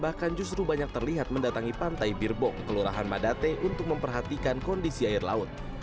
bahkan justru banyak terlihat mendatangi pantai birbong kelurahan madate untuk memperhatikan kondisi air laut